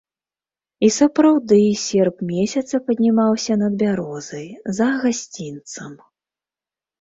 І сапраўды серп месяца паднімаўся над бярозай, за гасцінцам.